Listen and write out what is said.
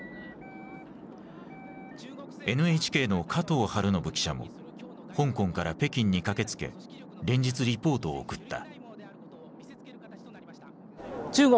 ＮＨＫの加藤青延記者も香港から北京に駆けつけ連日リポートを送った。